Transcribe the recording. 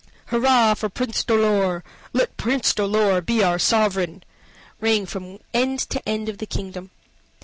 "Hurrah for Prince Dolor! Let Prince Dolor be our sovereign!" rang from end to end of the kingdom.